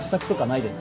ないです。